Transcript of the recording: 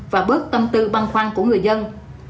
và bớt tâm tư băng khoăn của người dân